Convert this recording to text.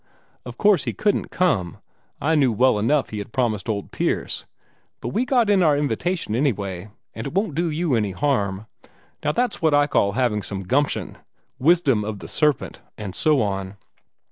Of course he couldn't come I knew well enough he had promised old Pierce but we got in our invitation anyway, and it won't do you any harm. Now, that's what I call having some gumption wisdom of the serpent, and so on."